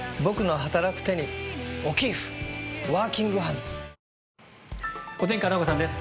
ニトリお天気、片岡さんです。